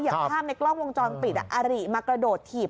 อย่างภาพในกล้องวงจรปิดอาริมากระโดดถีบ